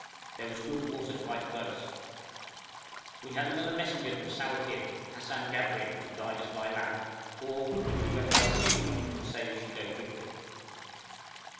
There was good water quite close. We had another messenger from Sawakin, Hassan Gabrin, to guide us by land, or, if we went by sea, to say we should go quickly.